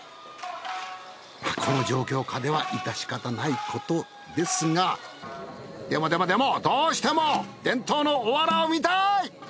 この状況下では致し方ないことですがでもでもでもどうしても伝統のおわらを見たい！